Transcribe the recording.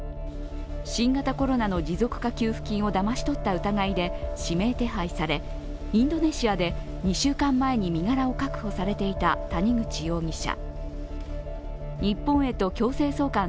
新型コロナの持続化給付金をだまし取った疑いで指名手配されインドネシアで２週間前に身柄を確保されていた谷口容疑者。